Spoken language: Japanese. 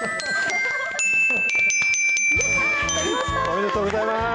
おめでとうございます。